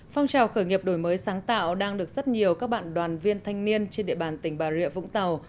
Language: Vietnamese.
phong trào khởi nghiệp đổi mới sáng tạo đang được rất nhiều các bạn đoàn viên thanh niên trên địa bàn tỉnh bà rịa vũng tàu